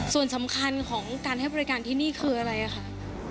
ส่วนสำคัญของการให้บริการที่นี่คืออะไรคะ